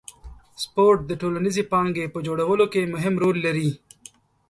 سپورت د ټولنیزې پانګې په جوړولو کې مهم رول لري.